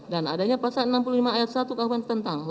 dan adanya pasal enam puluh lima ayat satu kuh tentang